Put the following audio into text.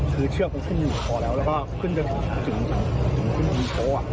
คือเชือกเขาขึ้นอยู่ข้อแล้วแล้วก็ขึ้นจะถึงถึงขึ้นถึงโค้อ